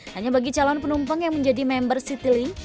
hanya bagi calon penumpang yang menjadi member citylink